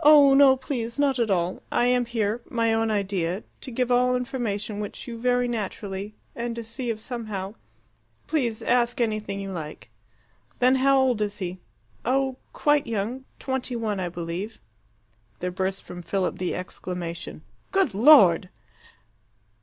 "Oh, no, please; not at all. I am here my own idea to give all information which you very naturally and to see if somehow please ask anything you like." "Then how old is he?" "Oh, quite young. Twenty one, I believe." There burst from Philip the exclamation, "Good Lord!"